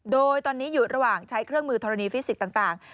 โดยตอนนี้อยู่ระหว่างใช้เครื่องมือธรณีฟิสิกส์ต่าง